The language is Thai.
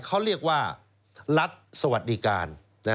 เขาเรียกว่ารัฐสวัสดิการ